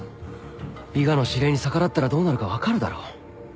伊賀の指令に逆らったらどうなるか分かるだろ？